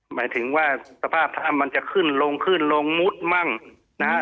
หมายถึงว่าสภาพถ้ำมันจะขึ้นลงขึ้นลงมุดมั่งนะฮะ